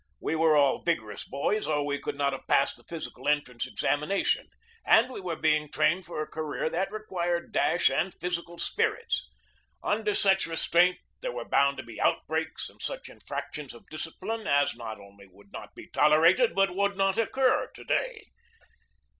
We were all vigorous boys or we could not have passed the physical entrance examination ; and we were being trained for a career that required dash and physical spirits. Under such restraint there were bound to be outbreaks and such infractions of discipline as not only would not be tol erated but would not occur to day.